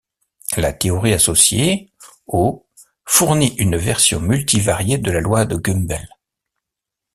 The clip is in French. La théorie associée aux fournit une version multivariée de la loi de Gumbel.